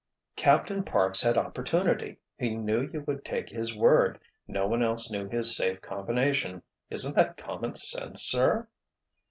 "Captain Parks had opportunity—he knew you would take his word—no one else knew his safe combination. Isn't that common sense, sir?"